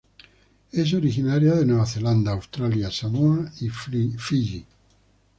Es originaria de Nueva Zelanda, Australia, Samoa y Fiyi.